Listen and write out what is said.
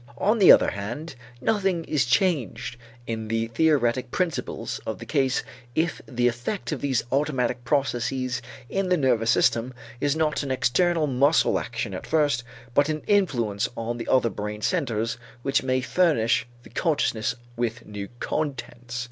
On the other hand, nothing is changed in the theoretic principles of the case if the effect of these automatic processes in the nervous system is not an external muscle action at first, but an influence on other brain centers which may furnish the consciousness with new contents.